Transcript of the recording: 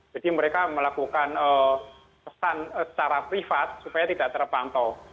jadi mereka melakukan pesan secara privat supaya tidak terpantau